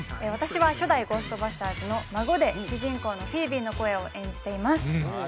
私は初代ゴーストバスターズの孫で主人公のフィービーの声を演じています